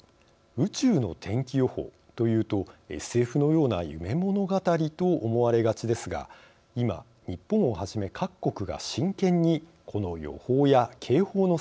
「宇宙の天気予報」というとＳＦのような夢物語と思われがちですが今日本をはじめ各国が真剣にこの予報や警報の整備を進めています。